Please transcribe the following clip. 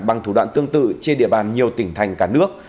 bằng thủ đoạn tương tự trên địa bàn nhiều tỉnh thành cả nước